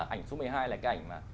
ảnh số một mươi hai là cái ảnh mà